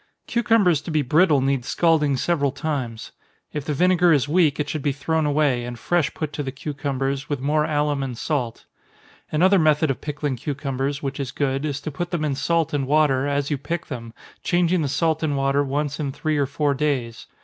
Cucumbers to be brittle need scalding several times. If the vinegar is weak, it should be thrown away, and fresh put to the cucumbers, with more alum and salt. Another method of pickling cucumbers, which is good, is to put them in salt and water, as you pick them changing the salt and water once in three or four days.